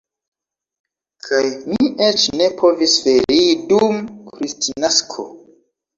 Kaj mi eĉ ne povis ferii dum Kristnasko.